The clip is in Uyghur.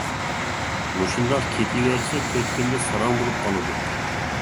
مۇشۇنداق كېتىۋەرسە تۆت كۈندە ساراڭ بولۇپ قالىدۇ.